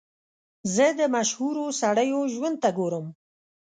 زه د مشهورو سړیو ژوند ته ګورم.